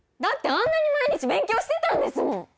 あんなに毎日勉強してたんですもん